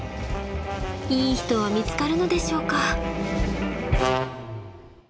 ［いい人は見つかるのでしょうか？］